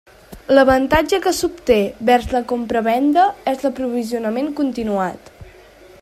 L'avantatge que s'obté vers la compravenda és l'aprovisionament continuat.